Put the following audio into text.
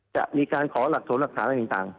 จะมีการขอหลักษลหลักฐานต่าง